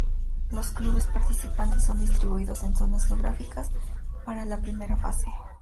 Los clubes participantes son distribuidos en zonas geográficas para la primera fase.